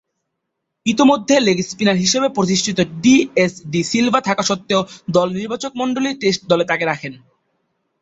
ইতোমধ্যে leg spinner হিসেবে প্রতিষ্ঠিত ডিএস ডি সিলভা থাকা সত্ত্বেও দল নির্বাচকমণ্ডলী টেস্ট দলে তাকে রাখেন।